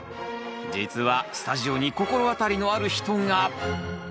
実はスタジオに心当たりのある人が。